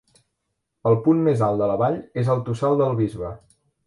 El punt més alt de la vall és el Tossal del Bisbe.